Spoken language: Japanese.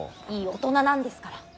いい大人なんですから。